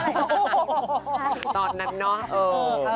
โอ้โฮตอนนั้นเนอะ